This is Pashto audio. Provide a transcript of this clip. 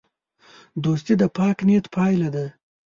دوستي د پاک نیت پایله ده.